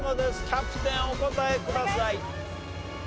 キャプテンお答えください。